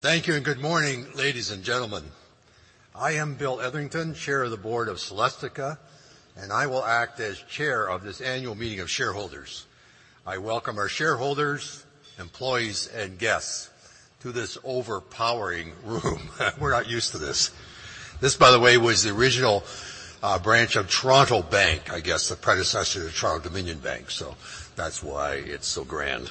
Thank you and good morning, ladies and gentlemen. I am Bill Etherington, Chair of the Board of Celestica, and I will act as Chair of this annual meeting of shareholders. I welcome our shareholders, employees, and guests to this overpowering room. We're not used to this. This, by the way, was the original branch of Bank of Toronto, I guess the predecessor to Toronto-Dominion Bank, so that's why it's so grand.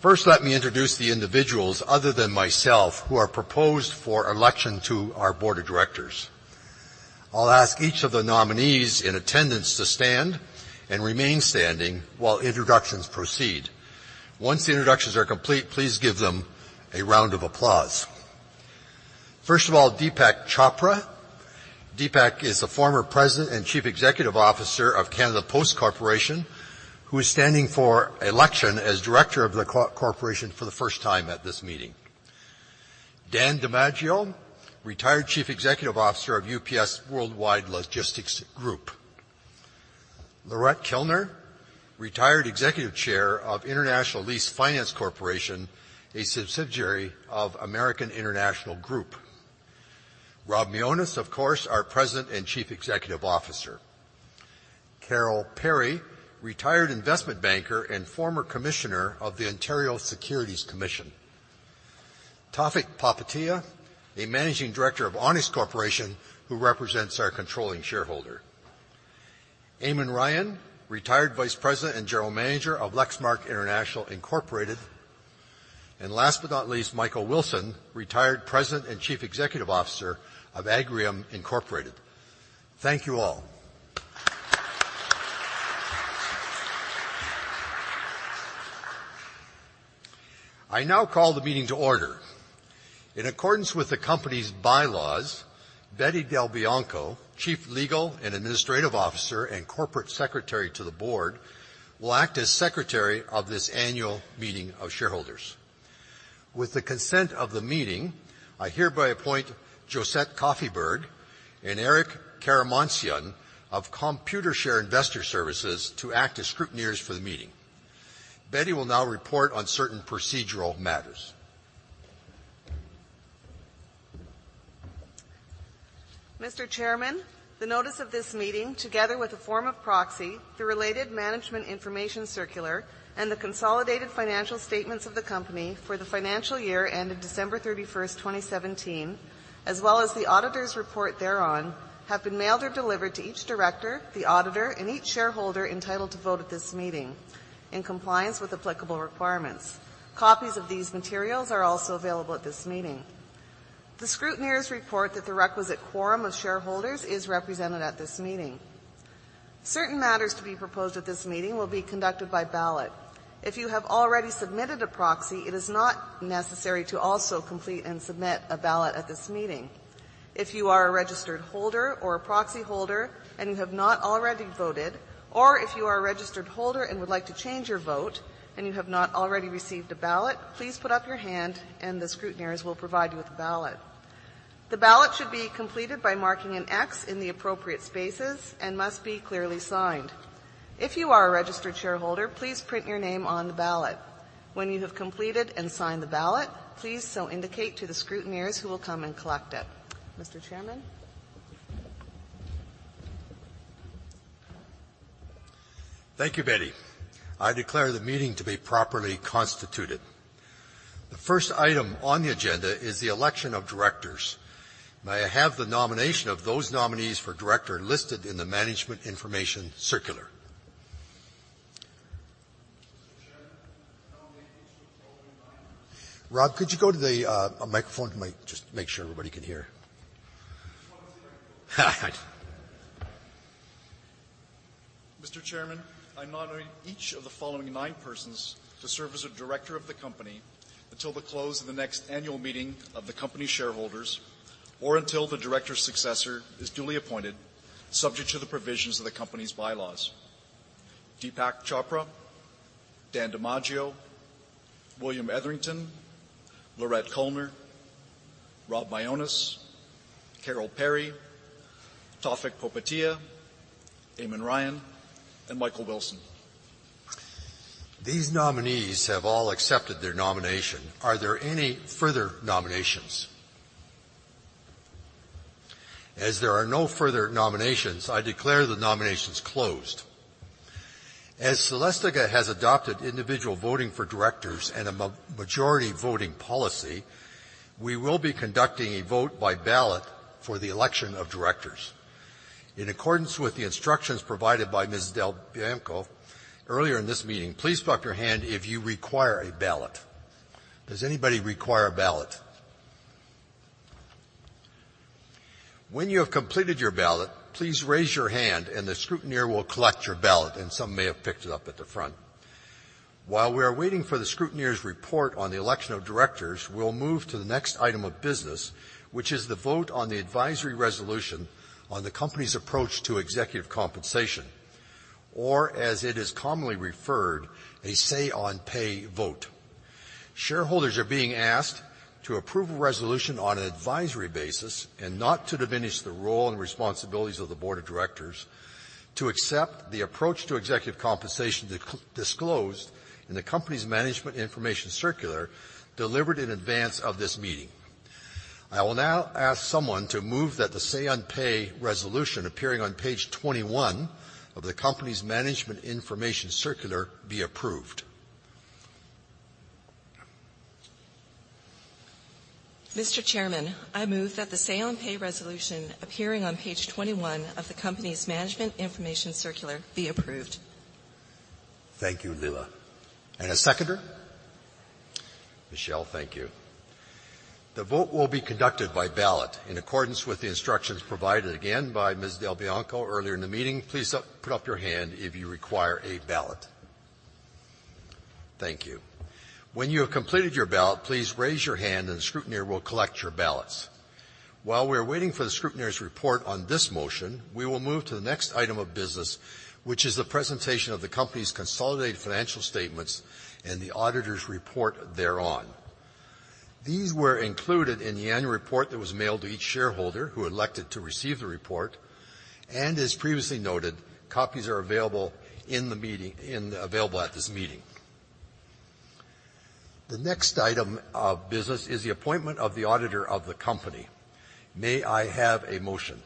First, let me introduce the individuals other than myself who are proposed for election to our Board of Directors. I'll ask each of the nominees in attendance to stand and remain standing while introductions proceed. Once the introductions are complete, please give them a round of applause. First of all, Deepak Chopra. Deepak is the former President and Chief Executive Officer of Canada Post Corporation, who is standing for election as Director of the Corporation for the first time at this meeting. Dan DiMaggio, retired Chief Executive Officer of UPS Worldwide Logistics Group. Laurette Koellner, retired Executive Chair of International Lease Finance Corporation, a subsidiary of American International Group. Rob Mionis, of course, our President and Chief Executive Officer. Carol Perry, retired investment banker and former Commissioner of the Ontario Securities Commission. Tawfiq Popatia, a Managing Director of Onex Corporation, who represents our controlling shareholder. Eamon Ryan, retired Vice President and General Manager of Lexmark International Incorporated. Last but not least, Michael Wilson, retired President and Chief Executive Officer of Agrium Incorporated. Thank you all. I now call the meeting to order. In accordance with the company's bylaws, Betty Del Bianco, Chief Legal and Administrative Officer and Corporate Secretary to the Board, will act as Secretary of this annual meeting of shareholders. With the consent of the meeting, I hereby appoint Josette Coffberg and Eric Karamanian of Computershare Investor Services to act as scrutineers for the meeting. Betty will now report on certain procedural matters. Mr. Chairman, the notice of this meeting, together with a form of proxy, the related management information circular, and the consolidated financial statements of the company for the financial year ended December 31st, 2017, as well as the auditor's report thereon, have been mailed or delivered to each Director, the auditor, and each shareholder entitled to vote at this meeting in compliance with applicable requirements. Copies of these materials are also available at this meeting. The scrutineers report that the requisite quorum of shareholders is represented at this meeting. Certain matters to be proposed at this meeting will be conducted by ballot. If you have already submitted a proxy, it is not necessary to also complete and submit a ballot at this meeting. If you are a registered holder or a proxy holder and you have not already voted, or if you are a registered holder and would like to change your vote and you have not already received a ballot, please put up your hand and the scrutineers will provide you with a ballot. The ballot should be completed by marking an X in the appropriate spaces and must be clearly signed. If you are a registered shareholder, please print your name on the ballot. When you have completed and signed the ballot, please so indicate to the scrutineers who will come and collect it. Mr. Chairman? Thank you, Betty. I declare the meeting to be properly constituted. The first item on the agenda is the election of directors. May I have the nomination of those nominees for director listed in the management information circular? Mr. Chairman, I nominate each of the following nine- Rob, could you go to the microphone to just make sure everybody can hear? This one. All right. Mr. Chairman, I nominate each of the following nine persons to serve as a director of the company until the close of the next annual meeting of the company shareholders, or until the director successor is duly appointed, subject to the provisions of the company's bylaws. Deepak Chopra, Dan DiMaggio, William Etherington, Laurette Koellner, Rob Mionis, Carol Perry, Tawfiq Popatia, Eamon Ryan, and Michael Wilson. These nominees have all accepted their nomination. Are there any further nominations? There are no further nominations, I declare the nominations closed. Celestica has adopted individual voting for directors and a majority voting policy, we will be conducting a vote by ballot for the election of directors. In accordance with the instructions provided by Ms. DelBianco earlier in this meeting, please put up your hand if you require a ballot. Does anybody require a ballot? When you have completed your ballot, please raise your hand and the scrutineer will collect your ballot, and some may have picked it up at the front. While we are waiting for the scrutineer's report on the election of directors, we will move to the next item of business, which is the vote on the advisory resolution on the company's approach to executive compensation, or as it is commonly referred, a say on pay vote. Shareholders are being asked to approve a resolution on an advisory basis and not to diminish the role and responsibilities of the board of directors to accept the approach to executive compensation disclosed in the company's Management Information Circular delivered in advance of this meeting. I will now ask someone to move that the say-on-pay resolution appearing on page 21 of the company's Management Information Circular be approved. Mr. Chairman, I move that the say-on-pay resolution appearing on page 21 of the company's Management Information Circular be approved. Thank you, Leila. A seconder? Michelle, thank you. The vote will be conducted by ballot in accordance with the instructions provided again by Ms. DelBianco earlier in the meeting. Please put up your hand if you require a ballot. Thank you. When you have completed your ballot, please raise your hand and the scrutineer will collect your ballots. While we are waiting for the scrutineer's report on this motion, we will move to the next item of business, which is the presentation of the company's consolidated financial statements and the auditor's report thereon. These were included in the annual report that was mailed to each shareholder who elected to receive the report, and as previously noted, copies are available at this meeting. The next item of business is the appointment of the auditor of the company. May I have a motion?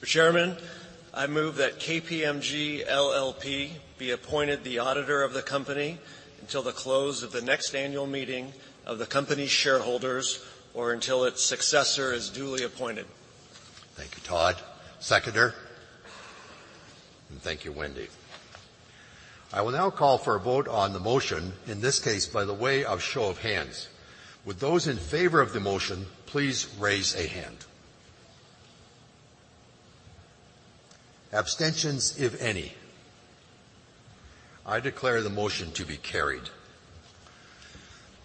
Mr. Chairman, I move that KPMG LLP be appointed the auditor of the company until the close of the next annual meeting of the company's shareholders or until its successor is duly appointed. Thank you, Todd. Seconder? Thank you, Wendy. I will now call for a vote on the motion, in this case, by the way of show of hands. Would those in favor of the motion, please raise a hand. Abstentions, if any? I declare the motion to be carried.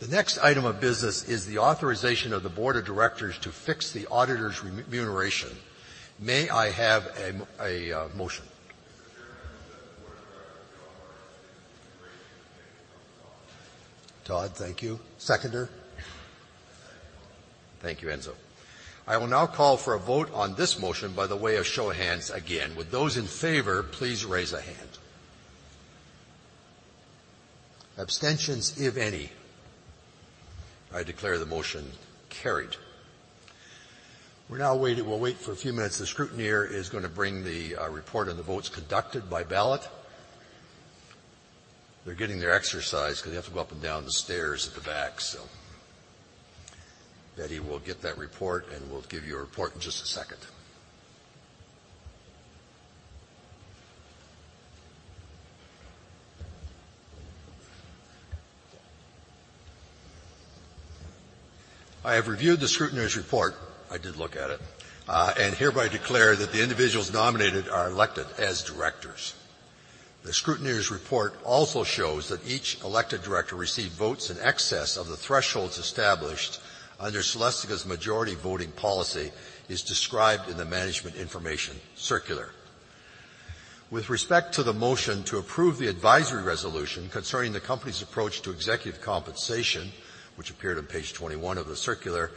The next item of business is the authorization of the board of directors to fix the auditor's remuneration. May I have a motion? Mr. Chairman, I move that the board of directors authorize the remuneration as may be from time to time. Todd, thank you. Seconder? I second the motion. Thank you, Enzo. I will now call for a vote on this motion by the way of show of hands again. Would those in favor, please raise a hand. Abstentions, if any? I declare the motion carried. We'll now wait for a few minutes. The scrutineer is going to bring the report on the votes conducted by ballot. They're getting their exercise because they have to go up and down the stairs at the back. Betty will get that report and will give you a report in just a second. I have reviewed the scrutineer's report, I did look at it, and hereby declare that the individuals nominated are elected as directors. The scrutineer's report also shows that each elected director received votes in excess of the thresholds established under Celestica's majority voting policy as described in the Management Information Circular. With respect to the motion to approve the advisory resolution concerning the company's approach to executive compensation, which appeared on page 21 of the circular,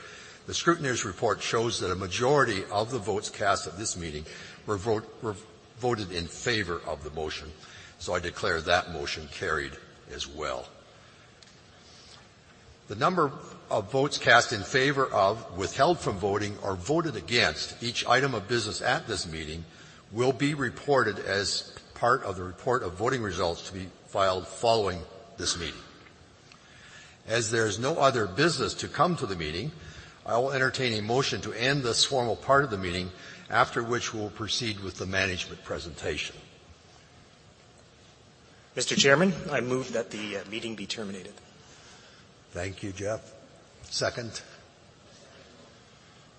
the scrutineer's report shows that a majority of the votes cast at this meeting were voted in favor of the motion. I declare that motion carried as well. The number of votes cast in favor of, withheld from voting, or voted against each item of business at this meeting will be reported as part of the report of voting results to be filed following this meeting. There's no other business to come to the meeting, I will entertain a motion to end this formal part of the meeting, after which we'll proceed with the management presentation. Mr. Chairman, I move that the meeting be terminated. Thank you, Jeff. Second? I second the motion.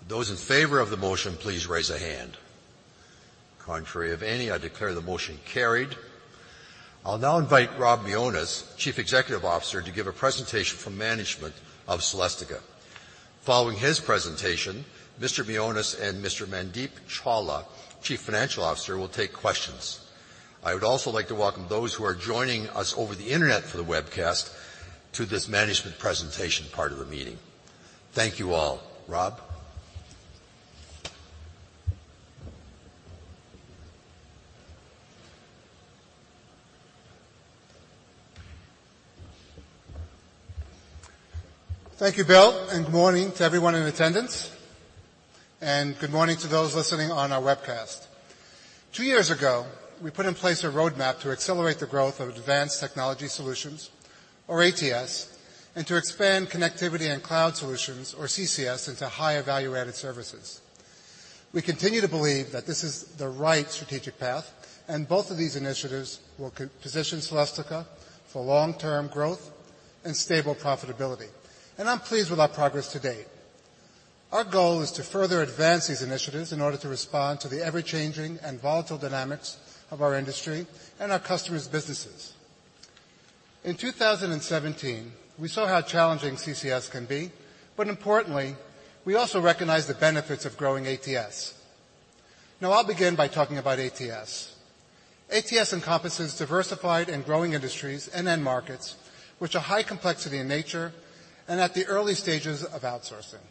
Those in favor of the motion, please raise a hand. Contrary of any, I declare the motion carried. I'll now invite Robert A. Mionis, Chief Executive Officer, to give a presentation from management of Celestica. Following his presentation, Mr. Mionis and Mr. Mandeep Chawla, Chief Financial Officer, will take questions. I would also like to welcome those who are joining us over the internet for the webcast to this management presentation part of the meeting. Thank you all. Rob? Thank you, Bill, good morning to everyone in attendance, good morning to those listening on our webcast. Two years ago, we put in place a roadmap to accelerate the growth of Advanced Technology Solutions, or ATS, to expand Connectivity & Cloud Solutions, or CCS, into higher value-added services. We continue to believe that this is the right strategic path, both of these initiatives will position Celestica for long-term growth and stable profitability. I'm pleased with our progress to date. Our goal is to further advance these initiatives in order to respond to the ever-changing and volatile dynamics of our industry and our customers' businesses. In 2017, we saw how challenging CCS can be, importantly, we also recognized the benefits of growing ATS. I'll begin by talking about ATS. ATS encompasses diversified and growing industries and end markets, which are high complexity in nature and at the early stages of outsourcing.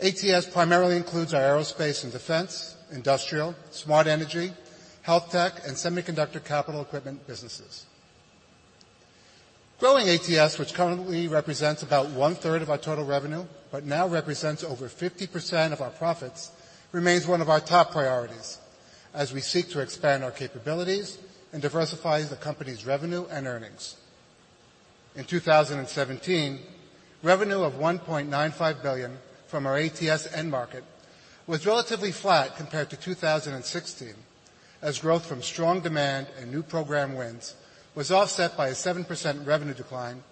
ATS primarily includes our aerospace and defense, industrial, smart energy, health tech, and semiconductor capital equipment businesses. Growing ATS, which currently represents about one-third of our total revenue, now represents over 50% of our profits, remains one of our top priorities as we seek to expand our capabilities and diversify the company's revenue and earnings. In 2017, revenue of $1.95 billion from our ATS end market was relatively flat compared to 2016, as growth from strong demand and new program wins was offset by a 7% revenue decline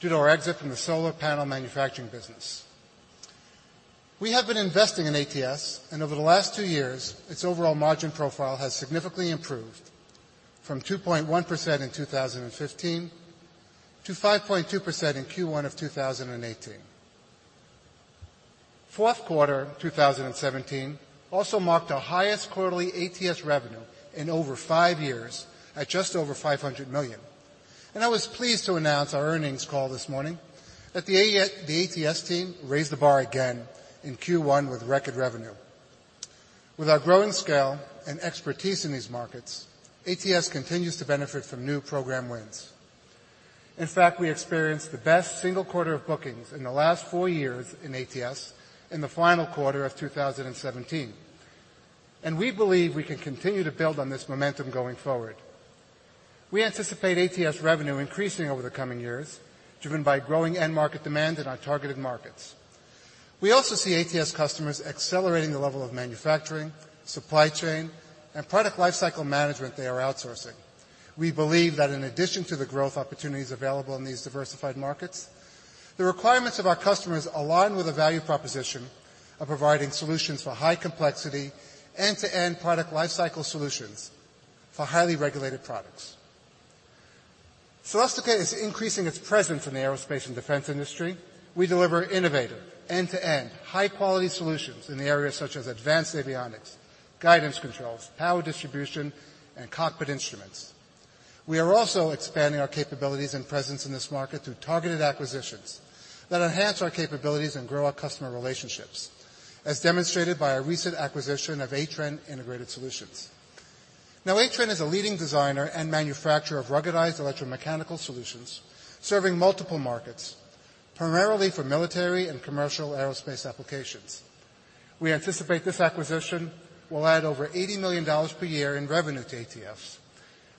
due to our exit from the solar panel manufacturing business. We have been investing in ATS, over the last two years, its overall margin profile has significantly improved from 2.1% in 2015 to 5.2% in Q1 of 2018. Fourth quarter 2017 also marked our highest quarterly ATS revenue in over five years at just over $500 million. I was pleased to announce our earnings call this morning that the ATS team raised the bar again in Q1 with record revenue. With our growing scale and expertise in these markets, ATS continues to benefit from new program wins. In fact, we experienced the best single quarter of bookings in the last four years in ATS in the final quarter of 2017. We believe we can continue to build on this momentum going forward. We anticipate ATS revenue increasing over the coming years, driven by growing end market demand in our targeted markets. We also see ATS customers accelerating the level of manufacturing, supply chain, and product lifecycle management they are outsourcing. We believe that in addition to the growth opportunities available in these diversified markets, the requirements of our customers align with the value proposition of providing solutions for high complexity, end-to-end product lifecycle solutions for highly regulated products. Celestica is increasing its presence in the aerospace and defense industry. We deliver innovative, end-to-end, high-quality solutions in the areas such as advanced avionics, guidance controls, power distribution, and cockpit instruments. We are also expanding our capabilities and presence in this market through targeted acquisitions that enhance our capabilities and grow our customer relationships, as demonstrated by our recent acquisition of Atrenne Integrated Solutions. Atrenne is a leading designer and manufacturer of ruggedized electromechanical solutions, serving multiple markets, primarily for military and commercial aerospace applications. We anticipate this acquisition will add over $80 million per year in revenue to ATS.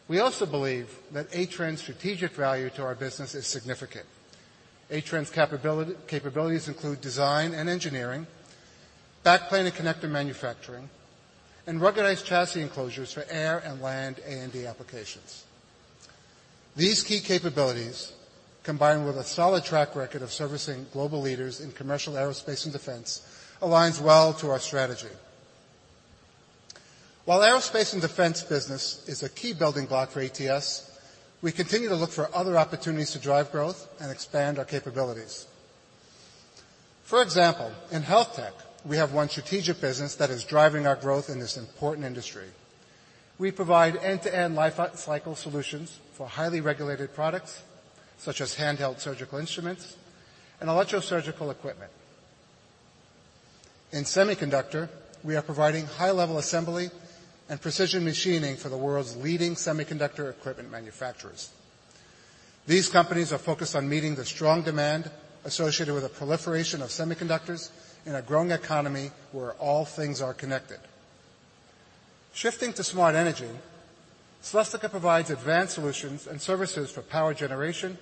We also believe that Atrenne's strategic value to our business is significant. Atrenne's capabilities include design and engineering, backplane and connector manufacturing, and ruggedized chassis enclosures for air and land A&D applications. These key capabilities, combined with a solid track record of servicing global leaders in commercial aerospace and defense, aligns well to our strategy. Aerospace and defense business is a key building block for ATS, we continue to look for other opportunities to drive growth and expand our capabilities. For example, in health tech, we have one strategic business that is driving our growth in this important industry. We provide end-to-end lifecycle solutions for highly regulated products, such as handheld surgical instruments and electrosurgical equipment. In semiconductor, we are providing high-level assembly and precision machining for the world's leading semiconductor equipment manufacturers. These companies are focused on meeting the strong demand associated with the proliferation of semiconductors in a growing economy where all things are connected. Shifting to smart energy, Celestica provides advanced solutions and services for power generation,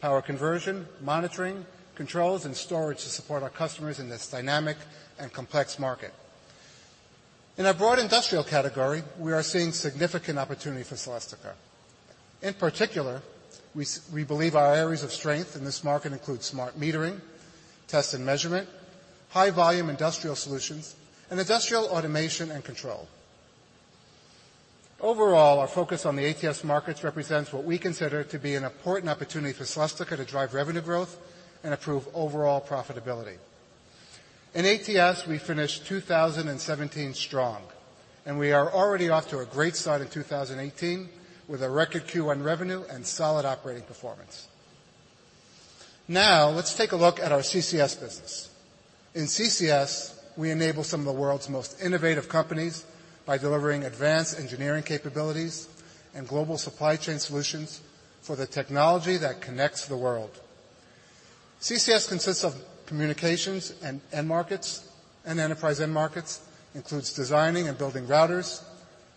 power conversion, monitoring, controls, and storage to support our customers in this dynamic and complex market. In our broad industrial category, we are seeing significant opportunity for Celestica. In particular, we believe our areas of strength in this market include smart metering, test and measurement, high-volume industrial solutions, and industrial automation and control. Our focus on the ATS markets represents what we consider to be an important opportunity for Celestica to drive revenue growth and improve overall profitability. In ATS, we finished 2017 strong. We are already off to a great start in 2018 with a record Q1 revenue and solid operating performance. Let's take a look at our CCS business. In CCS, we enable some of the world's most innovative companies by delivering advanced engineering capabilities and global supply chain solutions for the technology that connects the world. CCS consists of communications and end markets. Enterprise end markets includes designing and building routers,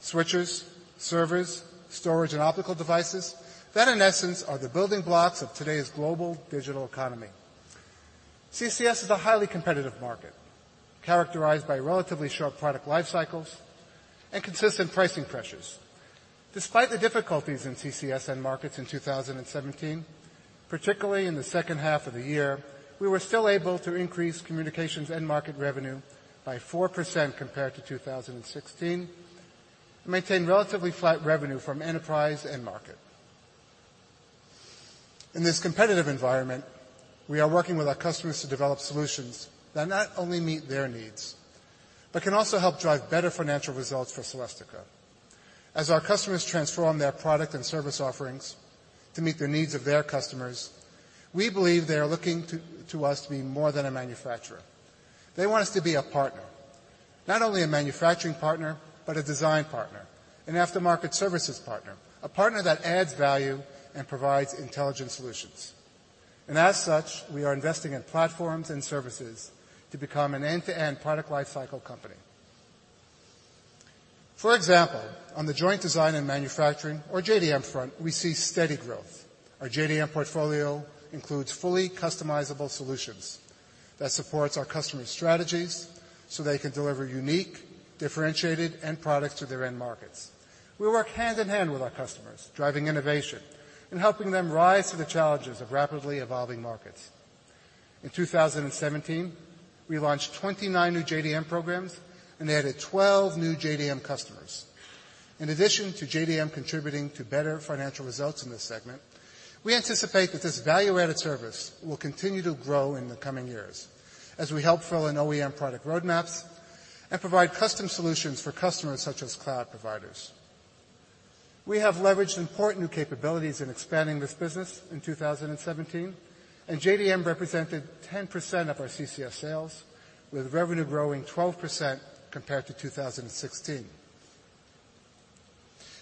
switches, servers, storage, and optical devices that, in essence, are the building blocks of today's global digital economy. CCS is a highly competitive market, characterized by relatively short product lifecycles and consistent pricing pressures. Despite the difficulties in CCS end markets in 2017, particularly in the second half of the year, we were still able to increase communications end market revenue by 4% compared to 2016 and maintain relatively flat revenue from enterprise end market. In this competitive environment, we are working with our customers to develop solutions that not only meet their needs, but can also help drive better financial results for Celestica. As our customers transform their product and service offerings to meet the needs of their customers, we believe they are looking to us to be more than a manufacturer. They want us to be a partner. Not only a manufacturing partner, but a design partner, an aftermarket services partner, a partner that adds value and provides intelligent solutions. As such, we are investing in platforms and services to become an end-to-end product lifecycle company. For example, on the Joint Design and Manufacturing or JDM front, we see steady growth. Our JDM portfolio includes fully customizable solutions that supports our customers' strategies so they can deliver unique, differentiated end products to their end markets. We work hand in hand with our customers, driving innovation and helping them rise to the challenges of rapidly evolving markets. In 2017, we launched 29 new JDM programs and added 12 new JDM customers. In addition to JDM contributing to better financial results in this segment, we anticipate that this value-added service will continue to grow in the coming years as we help fill in OEM product roadmaps and provide custom solutions for customers such as cloud providers. We have leveraged important new capabilities in expanding this business in 2017. JDM represented 10% of our CCS sales, with revenue growing 12% compared to 2016.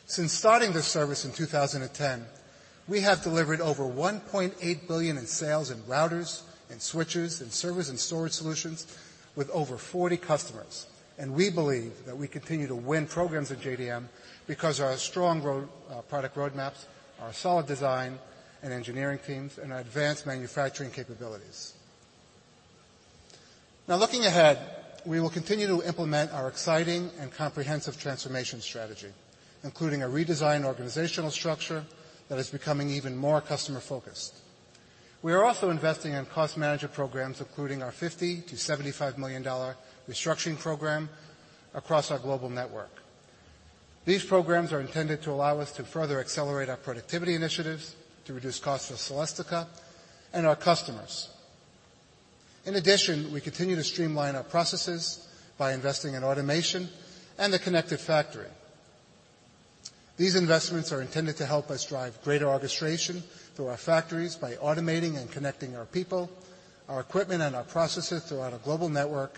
Since starting this service in 2010, we have delivered over $1.8 billion in sales in routers, in switches, in servers, and storage solutions with over 40 customers. We believe that we continue to win programs at JDM because our strong product roadmaps, our solid design and engineering teams, and our advanced manufacturing capabilities. Looking ahead, we will continue to implement our exciting and comprehensive transformation strategy, including a redesigned organizational structure that is becoming even more customer-focused. We are also investing in cost management programs, including our $50 million-$75 million restructuring program across our global network. These programs are intended to allow us to further accelerate our productivity initiatives to reduce costs for Celestica and our customers. We continue to streamline our processes by investing in automation and the connected factory. These investments are intended to help us drive greater orchestration through our factories by automating and connecting our people, our equipment, and our processes throughout our global network,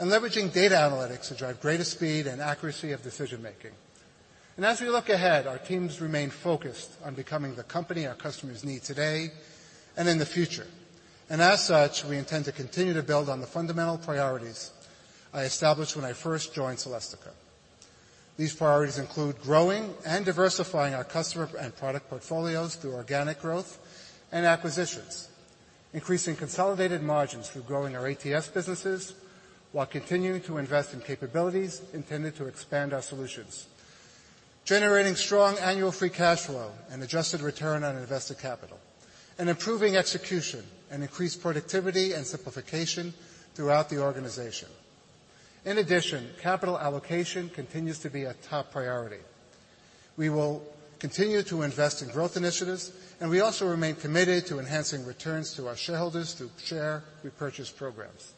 leveraging data analytics to drive greater speed and accuracy of decision-making. As we look ahead, our teams remain focused on becoming the company our customers need today and in the future. As such, we intend to continue to build on the fundamental priorities I established when I first joined Celestica. These priorities include growing and diversifying our customer and product portfolios through organic growth and acquisitions, increasing consolidated margins through growing our ATS businesses while continuing to invest in capabilities intended to expand our solutions, generating strong annual free cash flow and adjusted return on invested capital, and improving execution and increased productivity and simplification throughout the organization. In addition, capital allocation continues to be a top priority. We will continue to invest in growth initiatives, and we also remain committed to enhancing returns to our shareholders through share repurchase programs.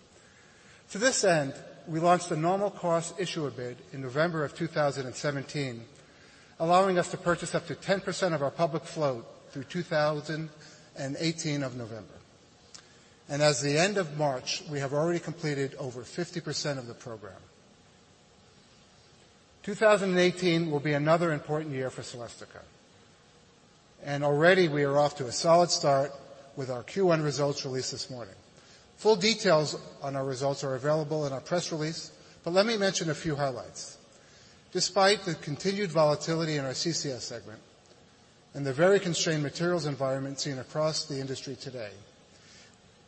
To this end, we launched a Normal Course Issuer Bid in November 2017, allowing us to purchase up to 10% of our public float through November 2018. As of the end of March, we have already completed over 50% of the program. 2018 will be another important year for Celestica, and already we are off to a solid start with our Q1 results released this morning. Full details on our results are available in our press release, but let me mention a few highlights. Despite the continued volatility in our CCS segment and the very constrained materials environment seen across the industry today,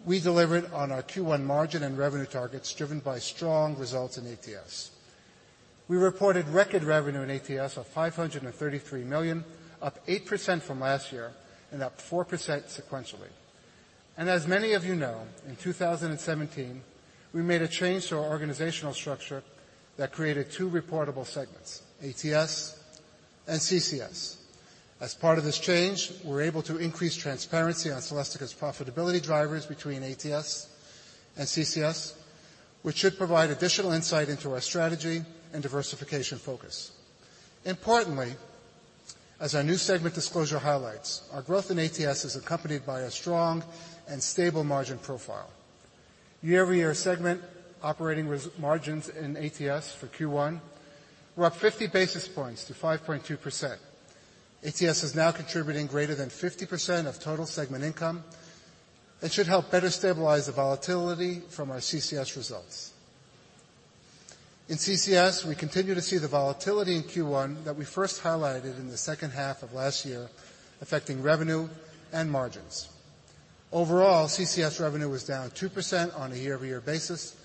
we delivered on our Q1 margin and revenue targets driven by strong results in ATS. We reported record revenue in ATS of $533 million, up 8% from last year and up 4% sequentially. As many of you know, in 2017, we made a change to our organizational structure that created two reportable segments, ATS and CCS. As part of this change, we're able to increase transparency on Celestica's profitability drivers between ATS and CCS, which should provide additional insight into our strategy and diversification focus. Importantly, as our new segment disclosure highlights, our growth in ATS is accompanied by a strong and stable margin profile. Year-over-year segment operating margins in ATS for Q1 were up 50 basis points to 5.2%. ATS is now contributing greater than 50% of total segment income and should help better stabilize the volatility from our CCS results. In CCS, we continue to see the volatility in Q1 that we first highlighted in the second half of last year, affecting revenue and margins. Overall, CCS revenue was down 2% on a year-over-year basis,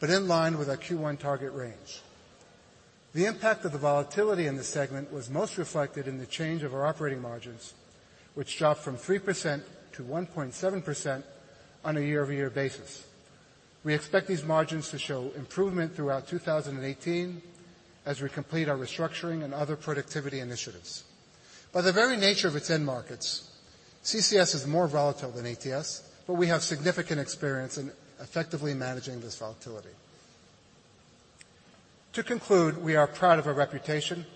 but in line with our Q1 target range. The impact of the volatility in this segment was most reflected in the change of our operating margins, which dropped from 3% to 1.7% on a year-over-year basis. We expect these margins to show improvement throughout 2018 as we complete our restructuring and other productivity initiatives. By the very nature of its end markets, CCS is more volatile than ATS, but we have significant experience in effectively managing this volatility. To conclude, we are proud of our reputation,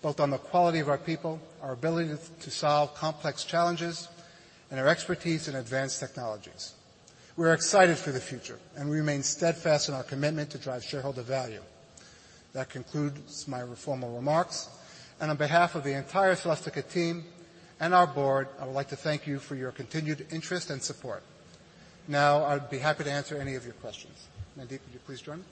both on the quality of our people, our ability to solve complex challenges, and our expertise in advanced technologies. We are excited for the future and remain steadfast in our commitment to drive shareholder value. That concludes my formal remarks, and on behalf of the entire Celestica team and our board, I would like to thank you for your continued interest and support. Now, I'd be happy to answer any of your questions. Mandeep, would you please join?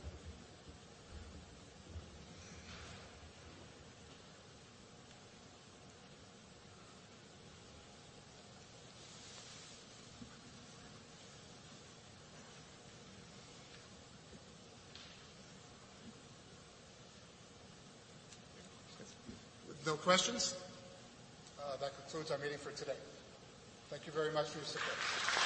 No questions? That concludes our meeting for today. Thank you very much for your support.